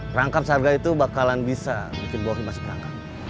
perangkap seharga itu bakalan bisa bikin bohin masih berangkat